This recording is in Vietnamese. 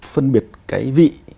phân biệt cái vị